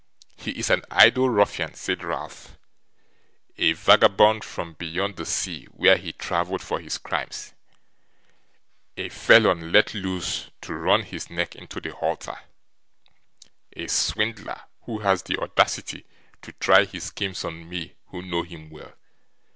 'He is an idle ruffian,' said Ralph; 'a vagabond from beyond the sea where he travelled for his crimes; a felon let loose to run his neck into the halter; a swindler, who has the audacity to try his schemes on me who know him well.